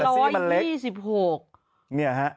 ๕๒๖ซีมันเล็กเนี่ยฮะ